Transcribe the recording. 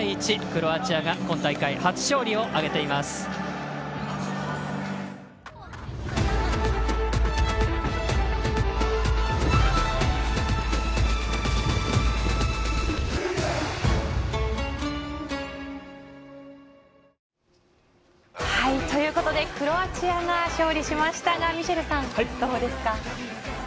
クロアチアが今大会初勝利を挙げています。というわけでクロアチアが勝利しましたがミシェルさん、どうですか？